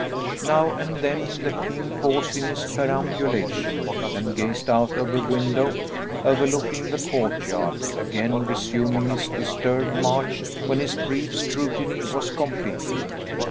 Now and then the king paused in his perambulation, and gazed out of a window overlooking the courtyard, again resuming his disturbed march when his brief scrutiny was completed.